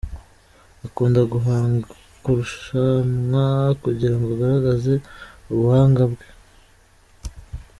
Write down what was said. Akunda guhanga, kurushanwa kugira ngo agaragaze ubuhanga bwe.